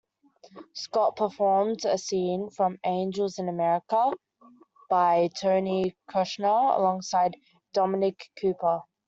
Scott performed a scene from "Angels in America" by Tony Kushner alongside Dominic Cooper.